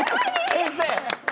先生！